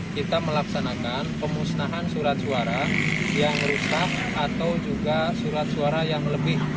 kita melaksanakan pemusnahan surat suara yang rusak atau juga surat suara yang lebih